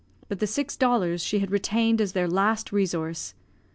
But the six dollars she had retained as their last resource.